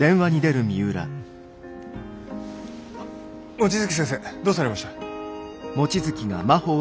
望月先生どうされました？